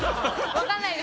分かんないです